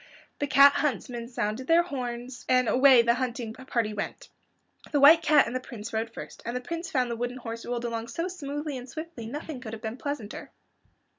The cat huntsmen sounded their horns, and away the hunting party went. The White Cat and the Prince rode first, and the Prince found the wooden horse rolled along so smoothly and swiftly that nothing could have been pleasanter.